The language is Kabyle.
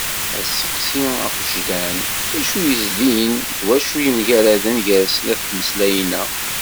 Aseqsi agejdan: D acu yezdin d wacu yemgaraden gar snat n tmeslayin-a.